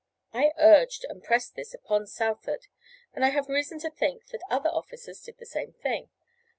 I urged and pressed this upon Southard, and I have reason to think that other officers did the same thing.